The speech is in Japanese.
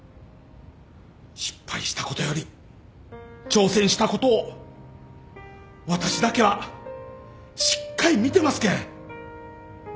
失敗したことより挑戦したことを私だけはしっかり見てますけん